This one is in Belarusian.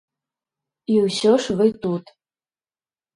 І ўсё ж вы тут.